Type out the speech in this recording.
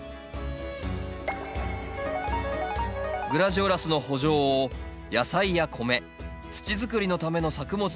グラジオラスの圃場を野菜や米土づくりのための作物と組み合わせ